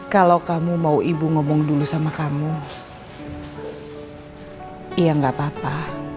kalau kamu mau ibu ngomong dulu sama kamu ya nggak apa apa